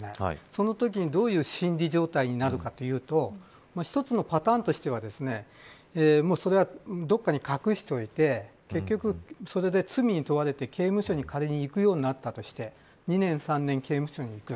そのときにどういう心理状態になるかというと一つのパターンとしてはそれは、どこかに隠しておいて結局、それで罪に問われて刑務所に仮に行くようになったとして２年、３年刑務所に行く。